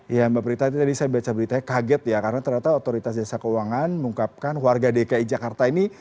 ya mbak prita tadi saya baca beritanya kaget ya karena ternyata otoritas jasa keuangan mengungkapkan warga dki jakarta ini